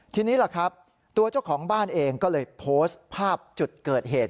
ทีนี้ล่ะครับตัวเจ้าของบ้านเองก็เลยโพสต์ภาพจุดเกิดเหตุ